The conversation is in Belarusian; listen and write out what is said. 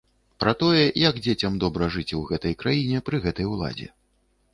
Пра тое, як дзецям добра жыць ў гэтай краіне пры гэтай уладзе.